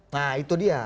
nah itu dia